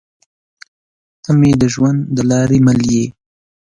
تۀ مې د ژوند د لارې مل يې